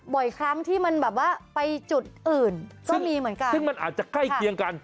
บ่อยครั้งที่มันแบบว่าไปจุดอื่นก็มีเหมือนกันซึ่งมันอาจจะใกล้เคียงกัน